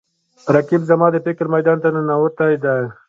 رقیب زما د فکر میدان ته ننوتی دی